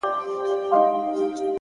د يو ښايستې سپيني كوتري په څېر”